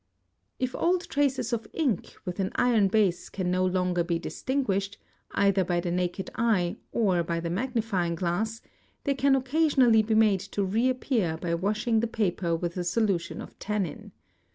If old traces of ink with an iron base can no longer be distinguished, either by the naked eye or by the magnifying glass, they can occasionally be made to reappear by washing the paper with a solution of tannin.